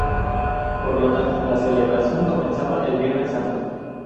Por lo tanto la celebración comenzaba el Viernes Santo.